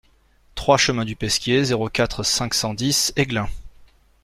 trois chemin du Pesquier, zéro quatre, cinq cent dix Aiglun